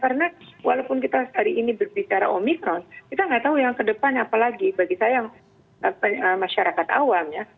karena walaupun kita hari ini berbicara omikron kita tidak tahu yang kedepan apalagi bagi saya masyarakat awam ya